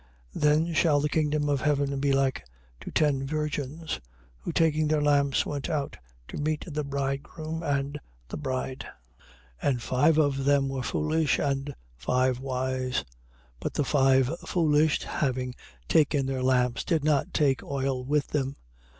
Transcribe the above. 25:1. Then shall the kingdom of heaven be like to ten virgins, who taking their lamps went out to meet the bridegroom and the bride. 25:2. And five of them were foolish and five wise. 25:3. But the five foolish, having taken their lamps, did not take oil with them. 25:4.